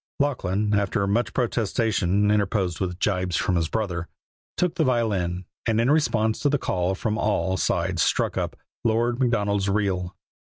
Lachlan, after much protestation, interposed with gibes from his brother, took the violin, and in response to the call from all sides struck up "Lord Macdonald's Reel."